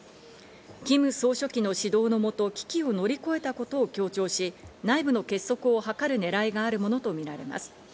キム総書記の指導のもと危機を乗り越えたことを強調し、内部の結束を図るねらいがあるものとみられます。